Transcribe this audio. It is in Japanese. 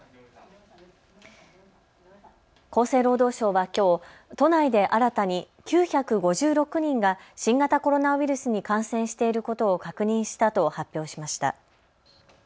厚生労働省はきょう都内で新たに９５６人が新型コロナウイルスに感染していることを確認したと発表しました。